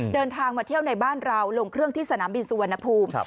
เดินทางมาเที่ยวในบ้านเราลงเครื่องที่สนามบินสุวรรณภูมิ